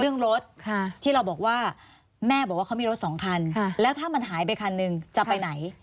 เรื่องรถที่เราบอกว่าแม่บอกว่าเขามีรถสองคันแล้วถ้ามันหายไปคันหนึ่งจะไปไหน